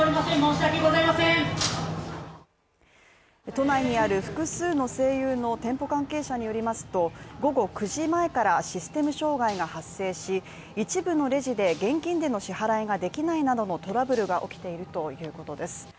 都内にある複数の西友の店舗関係者によりますと、午後９時前からシステム障害が発生し、一部のレジで現金での支払いができないなどのトラブルが起きているということです。